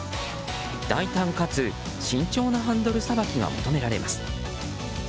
大胆かつ慎重なハンドルさばきが求められます。